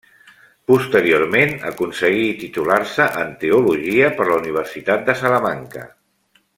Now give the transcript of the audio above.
Posteriorment aconseguí titular-se en teologia per la Universitat de Salamanca.